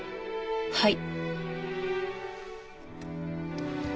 はい。